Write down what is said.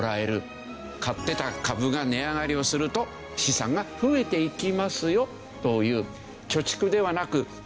買ってた株が値上がりをすると資産が増えていきますよという。